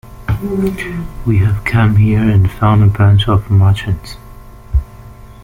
We have come here and found a bunch of merchants.